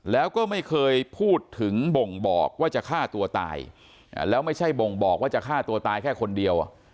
แล้วก็ไม่เคยพูดถึงบ่งบอกว่าจะฆ่าตัวตายแล้วไม่ใช่บ่งบอกว่าจะฆ่าตัวตายแค่คนเดียว